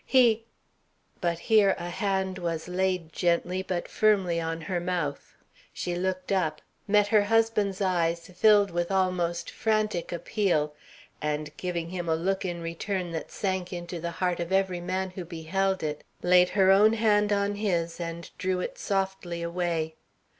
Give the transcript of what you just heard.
He " But here a hand was laid gently, but firmly on her mouth. She looked up, met her husband's eyes filled with almost frantic appeal, and giving him a look in return that sank into the heart of every man who beheld it, laid her own hand on his and drew it softly away.